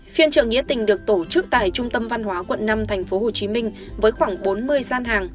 phiên trợ nghĩa tình được tổ chức tại trung tâm văn hóa quận năm tp hcm với khoảng bốn mươi gian hàng